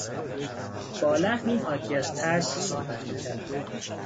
با لحنی حاکی از ترس صحبت میکرد.